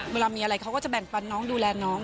เวลามีอะไรเขาก็จะแบ่งปันน้องดูแลน้อง